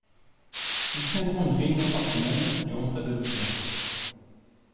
Ils tiendront une réunion par semaine durant près de dix ans.